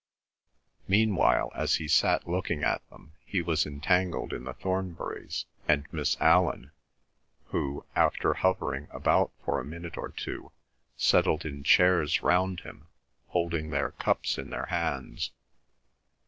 Meanwhile, as he sat looking at them, he was entangled in the Thornburys and Miss Allan, who, after hovering about for a minute or two, settled in chairs round him, holding their cups in their hands.